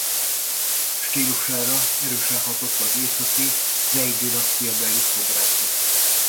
Stílusára erősen hatott az északi Vej-dinasztiabeli szobrászat.